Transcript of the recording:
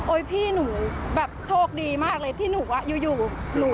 โอ๊ยพี่หนูชกดีมากเลยที่หนูอยู่